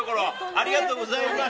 ありがとうございます。